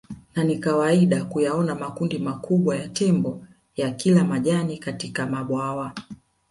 Na ni kawaida kuyaona makundi makubwa ya Tembo ya kila majani katika mabwawa